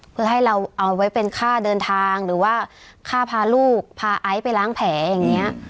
เพื่อให้เราเอาไว้เป็นค่าเดินทางหรือว่าค่าพาลูกพาไอซ์ไปล้างแผลอย่างนี้